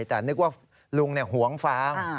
แต่นึกว่าลุงหวงฟาง